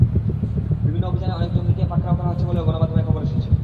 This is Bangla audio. বিভিন্ন অভিযানে অনেক জঙ্গিকে পাকড়াও করা হচ্ছে বলেও গণমাধ্যমে খবর এসেছে।